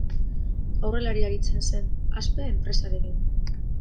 Aurrelari aritzen zen, Aspe enpresarekin.